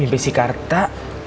mimpi si karta